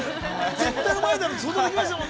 絶対うまいだろうと想像できますもんね。